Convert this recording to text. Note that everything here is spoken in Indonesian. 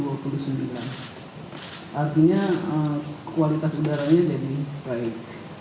artinya kualitas udaranya jadi baik